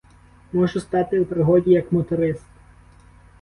Можу стати у пригоді як моторист.